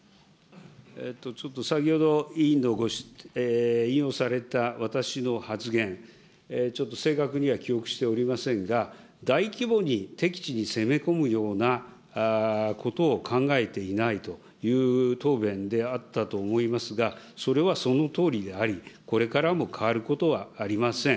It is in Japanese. ちょっと先ほど、委員が引用された私の発言、ちょっと正確には記憶しておりませんが、大規模に敵地に攻め込むようなことを考えていないという答弁であったと思いますが、それはそのとおりであり、これからも変わることはありません。